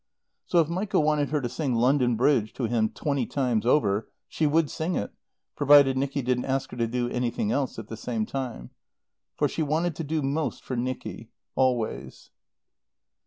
So if Michael wanted her to sing "London Bridge" to him twenty times over, she would sing it, provided Nicky didn't ask her to do anything else at the same time. For she wanted to do most for Nicky, always.